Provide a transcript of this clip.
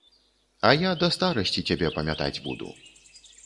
А я да старасці цябе памятаць буду.